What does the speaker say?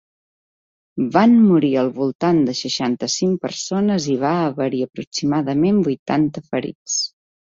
Van morir al voltant de seixanta-cinc persones i va haver-hi aproximadament vuitanta ferits.